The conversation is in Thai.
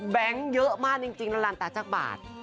แบงค์เยอะมากจริงแล้วลันตาจากบาท